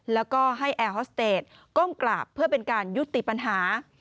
แล้วก็ให้แอร์ฮอสเตจก้มกราบเพื่อเป็นการยุติปัญหา